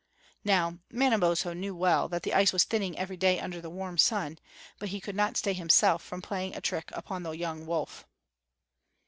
Now Manabozho knew well that the ice was thinning every day under the warm sun, but he could not stay himself from playing a trick upon the young wolf.